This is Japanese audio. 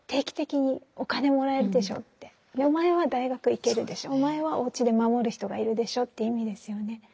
お前は大学行けるでしょお前はおうちで守る人がいるでしょという意味ですよね。